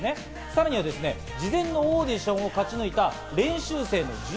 さらには事前のオーディションを勝ち抜いた練習生の１１人。